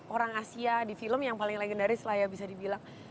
orang asia di film yang paling legendaris lah ya bisa dibilang